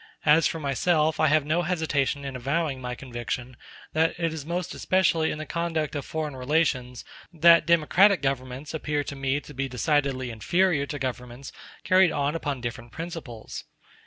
As for myself I have no hesitation in avowing my conviction, that it is most especially in the conduct of foreign relations that democratic governments appear to me to be decidedly inferior to governments carried on upon different principles.